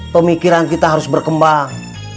pemikiran kita harus berkembang